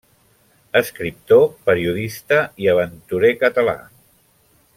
Escriptor, periodista i aventurer català.